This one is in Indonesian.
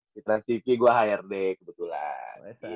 di transtv gue hrd kebetulan